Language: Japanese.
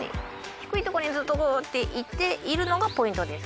低いところにずっとこうやっているのがポイントです。